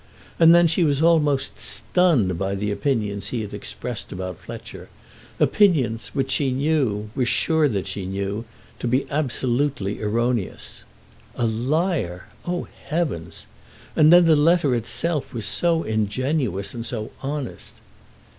And then she was almost stunned by the opinions he had expressed about Fletcher, opinions which she knew, was sure that she knew, to be absolutely erroneous. A liar! Oh, heavens! And then the letter itself was so ingenuous and so honest!